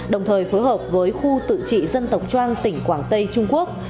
đồng thời phối hợp với khu tự trị dân tộc trang tỉnh quảng tây trung quốc